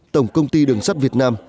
tổng công ty đường sắt việt nam